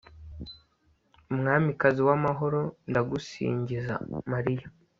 umwamikazi w'amahoro. ndagusingiza mariya